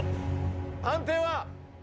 判定は。